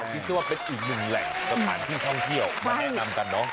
คิดว่าเป็นอีกหนึ่งแหล่งสถานที่ท่องเที่ยวมาแนะนำกันเนอะ